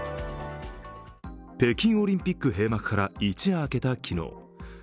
北京オリンピック閉幕から一夜明けた昨日。